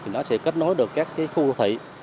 nó sẽ kết nối được các khu đô thị